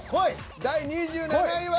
第２７位は。